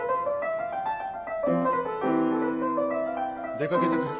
・出かけてくる。